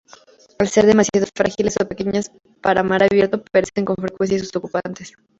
Al ser demasiado frágiles o pequeñas para mar abierto, perecen con frecuencia sus ocupantes.